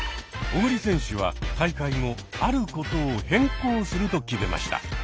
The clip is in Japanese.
小栗選手は大会後あることを変更すると決めました。